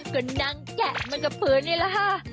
ก็นั่งแกะมันกับพื้นไอ้ล่ะฮะ